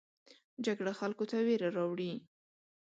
جګړه خلکو ته ویره راوړي